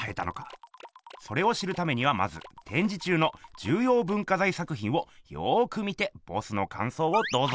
それを知るためにはまずてんじ中の重要文化財作ひんをよく見てボスのかんそうをどうぞ！